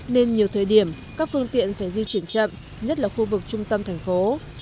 nên nhiều thời điểm các phương tiện phải di chuyển chậm nhất là khu vực trung tâm thành phố